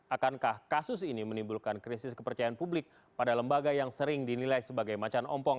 akankah kasus ini menimbulkan krisis kepercayaan publik pada lembaga yang sering dinilai sebagai macan ompong